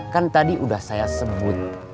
kan tadi udah saya sebut